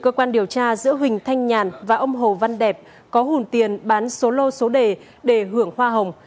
tin từ cơ quan điều tra giữa huỳnh thanh nhàn và ông hồ văn đẹp có hùn tiền bán số lô số đề để hưởng hoa hồng